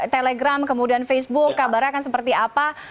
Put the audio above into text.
telegram kemudian facebook kabarnya akan seperti apa